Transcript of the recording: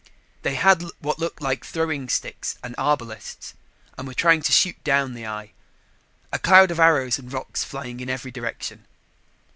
They had what looked like throwing sticks and arbalasts and were trying to shoot down the eye, a cloud of arrows and rocks flying in every direction.